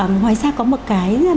ngoài ra có một cái